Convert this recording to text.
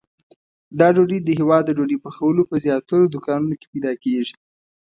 دا ډوډۍ د هیواد د ډوډۍ پخولو په زیاترو دوکانونو کې پیدا کېږي.